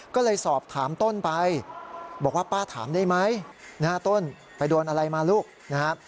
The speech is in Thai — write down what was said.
ก็เลยสอบถามต้นไปบอกว่าป้าถามได้ไหมต้นไปโดนอะไรมาลูกนะครับ